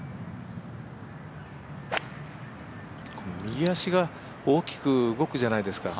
右足が大きく動くじゃないですか。